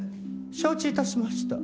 承知致しました。